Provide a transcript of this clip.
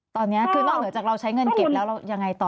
ตอนนี้คือนอกเหนือจากเราใช้เงินเก็บแล้วเรายังไงต่อ